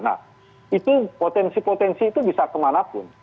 nah itu potensi potensi itu bisa kemanapun